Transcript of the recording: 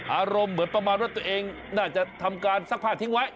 อารมณ์เหมือนประมาณว่าตัวเองน่าจะทำการซักผ้าทิ้งไว้